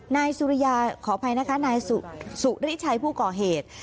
นายสุริยาขออภัยนะคะนายสุริชัยผู้ก่อเหตุ